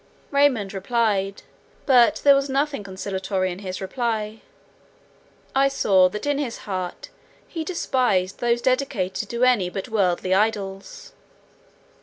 Raymond replied; but there was nothing conciliatory in his reply. I saw that in his heart he despised those dedicated to any but worldly idols.